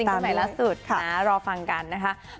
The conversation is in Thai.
ซิงเกิลใหม่ล่ะสุดค่ะรอฟังกันนะคะ